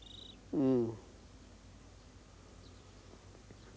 うん。